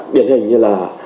biển hình như là